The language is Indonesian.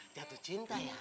jatuh cinta ya